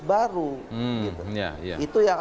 baru gitu itu yang